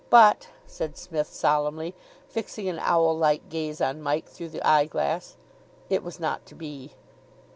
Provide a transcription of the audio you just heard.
But," said Psmith solemnly, fixing an owl like gaze on Mike through the eye glass, "it was not to be."